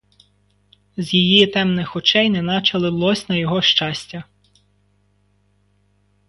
З її темних очей неначе лилось на його щастя.